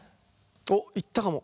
おっいったかも。